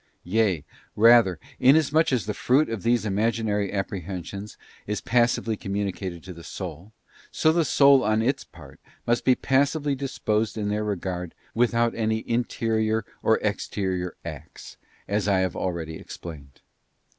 Yea, rather, inasmuch as the fruit of these Imaginary Apprehensions is passively communicated to the soul; so the soul on its part must be passively disposed in their regard without any interior or exterior acts, as I have already explained.